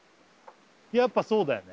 やっぱそうだよね